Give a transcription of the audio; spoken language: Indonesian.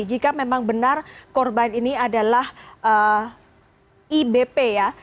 jika memang benar korban ini adalah ibp ya